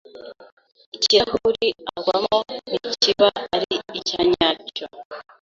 ikirahuri agwamo ntikiba ari icya nyacyo